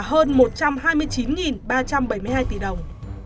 hơn một trăm hai mươi chín ba trăm bảy mươi hai tỷ đồng